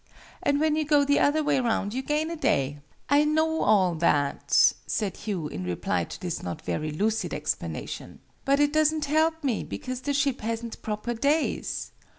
And when you go the other way round you gain a day." "I know all that," said Hugh, in reply to this not very lucid explanation: "but it doesn't help me, because the ship hasn't proper days.